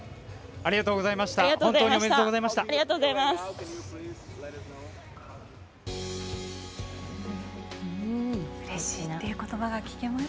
ありがとうございます。